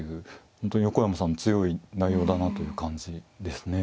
本当に横山さん強い内容だなという感じですね。